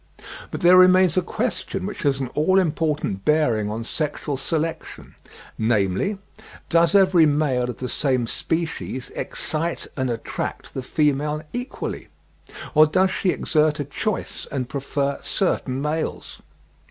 But there remains a question which has an all important bearing on sexual selection, namely, does every male of the same species excite and attract the female equally? Or does she exert a choice, and prefer certain males?